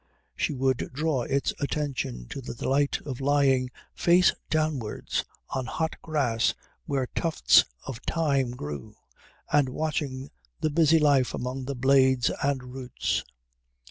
She would draw its attention to the delight of lying face downwards on hot grass where tufts of thyme grew and watching the busy life among the blades and roots.